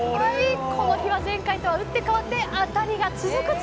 この日は前回とは打って変わってアタリが続く続く！